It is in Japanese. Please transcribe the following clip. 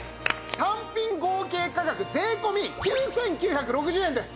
単品合計価格税込９９６０円です。